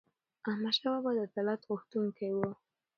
احمدشاه بابا د عدالت غوښتونکی و.